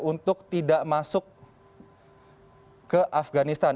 untuk tidak masuk ke afganistan